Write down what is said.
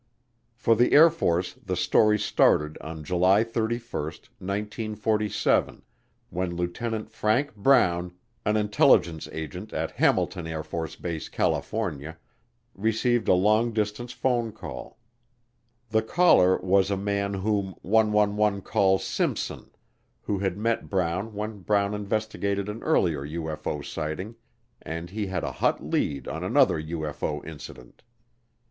For the Air Force the story started on July 31, 1947, when Lieutenant Frank Brown, an intelligence agent at Hamilton AFB, California, received a long distance phone call. The caller was a man whom 111 call Simpson, who had met Brown when Brown investigated an earlier UFO sighting, and he had a hot lead on another UFO incident.